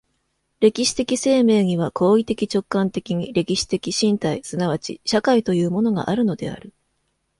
歴史的生命には行為的直観的に歴史的身体即ち社会というものがあるのである。